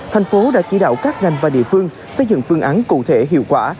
thành phố đã chỉ đạo các ngành và địa phương xây dựng phương án cụ thể hiệu quả